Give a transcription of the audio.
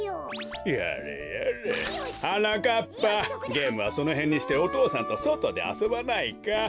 ゲームはそのへんにしてお父さんとそとであそばないか？